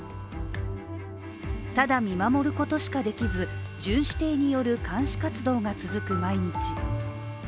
ただ見守ることしかできず巡視艇による監視活動が続く毎日。